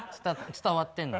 伝わってんの。